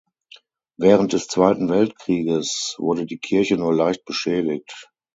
Während des Zweiten Weltkrieges wurde die Kirche nur leicht beschädigt.